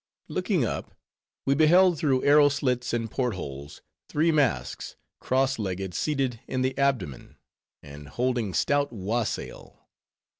Looking up, we beheld, through arrow slits and port holes, three masks, cross legged seated in the abdomen, and holding stout wassail.